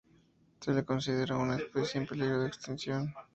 Se le considera una especie en peligro de extinción.